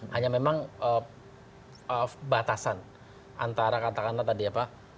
hanya memang batasan antara katakanlah tadi apa